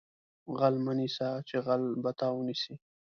غل مه نیسه چې غل به تا ونیسي